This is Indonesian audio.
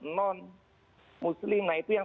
non muslim nah itu yang